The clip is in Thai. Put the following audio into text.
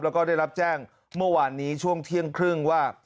แล้วก็ได้รับแจ้งเมื่อวานนี้ช่วงเที่ยงครึ่งว่า